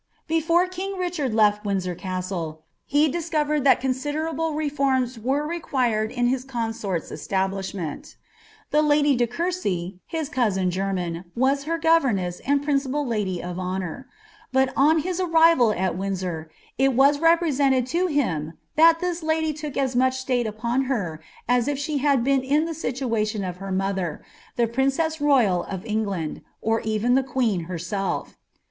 Before king Kichatd left Windsor Castle, he discoreml that cmmlti able reforms were required in his coiiaorl's establishment. The Ur4( Courcy, hia cousin germ au, was her govemesa ajid principal kdy ti honour; hut, on his arrival at Windsor, it wis i^reaented to biiAilbtf (hia lady look as much sUile upon her as if she lull been in iha ani' tion of her mother, the princess royal of England, or even ih» ^acM herself.